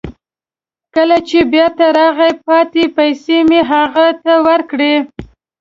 کله چې بیرته راغی، پاتې پیسې مې هغه ته ورکړې.